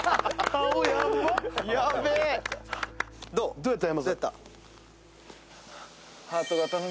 どうやった、山添？